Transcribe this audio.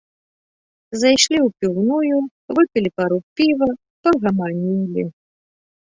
Зайшлі ў піўную, выпілі пару піва, пагаманілі.